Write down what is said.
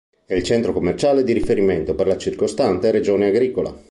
È il centro commerciale di riferimento per la circostante regione agricola.